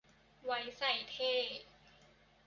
ไว้ใส่เท่